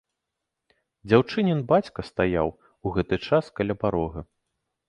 Дзяўчынін бацька стаяў у гэты час каля парога.